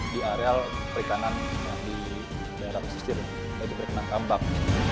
di areal perikanan di daerah pesisir di perikanan kambang